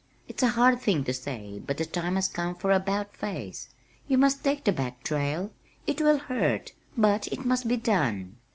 It's a hard thing to say but the time has come for a 'bout face. You must take the back trail. It will hurt, but it must be done."